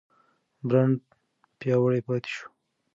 برانډ پیاوړی پاتې شو.